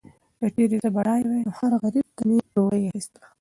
که چیرې زه بډایه وای، نو هر غریب ته به مې ډوډۍ اخیستله.